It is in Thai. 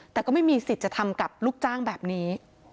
แต่ก็ไม่มีสิทธิ์จะทำกับลูกจ้างแบบนี้